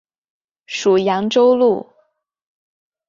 属扬州路。